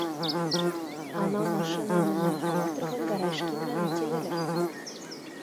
Анау машина менән һауа торғандары эшкинмәне, тинеләр